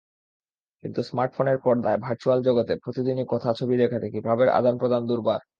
কিন্তু স্মার্টফোনের পর্দায় ভার্চ্যুয়াল জগতে প্রতিদিনই কথা, ছবি দেখাদেখি—ভাবের আদান-প্রদান দুর্বার।